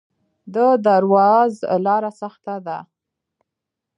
د درواز لاره سخته ده